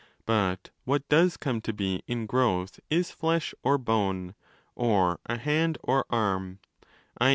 But what does come to be in growth is flesh or bone— or a hand or arm (i.